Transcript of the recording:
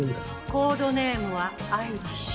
コードネームは「アイリッシュ」。